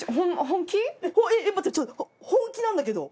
本気なんだけど。